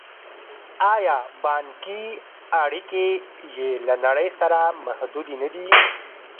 آیا بانکي اړیکې یې له نړۍ سره محدودې نه دي؟